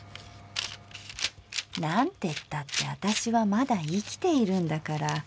なんてったって私はまだ生きているんだから。